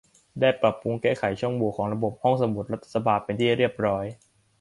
ได้ปรับปรุงแก้ไขช่องโหว่ของระบบห้องสมุดรัฐสภาเป็นที่เรียบร้อย